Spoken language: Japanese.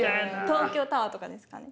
東京タワーとかですかね？